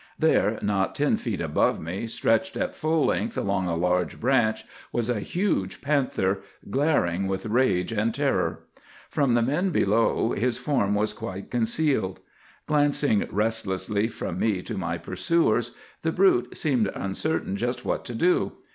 "There, not ten feet above me, stretched at full length along a large branch, was a huge panther, glaring with rage and terror. From the men below his form was quite concealed. Glancing restlessly from me to my pursuers, the brute seemed uncertain just what to do.